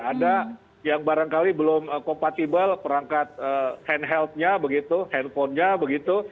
ada yang barangkali belum kompatibel perangkat hand held nya begitu handphone nya begitu